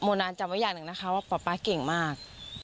นานจำไว้อย่างหนึ่งนะคะว่าป๊าป๊าเก่งมาก